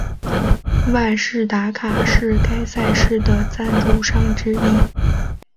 万事达卡是该赛事的赞助商之一。